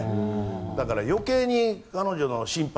だから、余計に彼女は心配。